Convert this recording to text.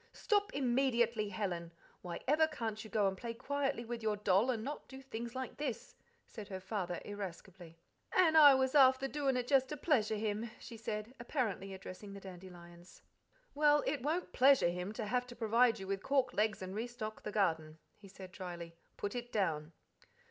"Stop immediately, Helen! Why ever can't you go and play quietly with your doll, and not do things like this?" said her father irascibly. "An' I was afther doin' it just to pleasure him," she said, apparently addressing the dandelions. "Well, it won't 'pleasure him' to have to provide you with cork legs and re stock the garden," he said dryly: "Put it down."